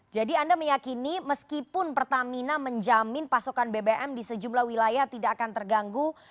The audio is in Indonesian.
anda meyakini meskipun pertamina menjamin pasokan bbm di sejumlah wilayah tidak akan terganggu